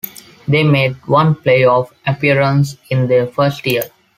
They made one playoff appearance in their first year.